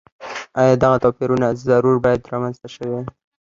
ایا دغه توپیرونه ضرور باید رامنځته شوي وای.